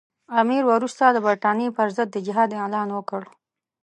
امیر وروسته د برټانیې پر ضد د جهاد اعلان وکړ.